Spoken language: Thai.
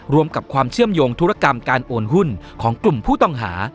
รวมกับความเชื่อมโยงธุรกรรมการโอนหุ้นของกลุ่มผู้ต้องหา